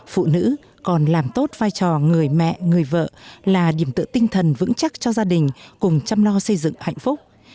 phụ nữ còn làm tốt vai trò người mẹ người vợ là điểm tựa tinh thần vững chắc cho gia đình cùng chăm lo xây dựng hạnh phúc